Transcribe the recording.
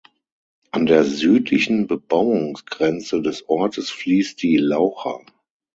An der südlichen Bebauungsgrenze des Ortes fließt die Laucha.